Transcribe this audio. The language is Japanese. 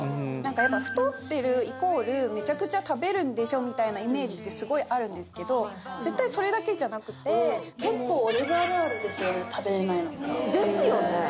何かやっぱ太ってるイコールめちゃくちゃ食べるんでしょみたいなイメージってスゴいあるんですけど絶対それだけじゃなくて結構おデブあるあるですよね食べれないのってですよね